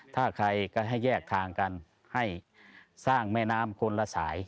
ถ้าใครก็ให้แยกทางกันให้สร้างแม่น้ำคนละสาย